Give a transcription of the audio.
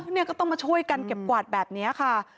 เนี่ยก็ต้องมาช่วยกันเก็บกวาดแบบนี้ค่ะ